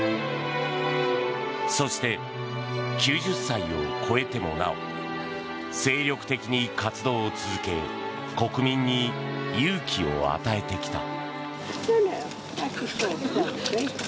そして９０歳を超えてもなお精力的に活動を続け国民に勇気を与えてきた。